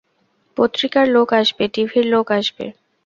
পত্রিকার লোক আসবে, টিভির লোক আসবে।